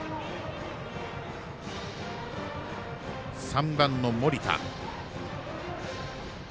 ３番の森田。